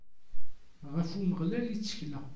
Ɣef Umeɣlal i ttekleɣ.